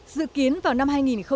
dự kiến vào năm hai nghìn một mươi bảy